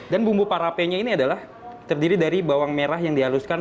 dan bumbu parape ini adalah terdiri dari bawang merah yang dihaluskan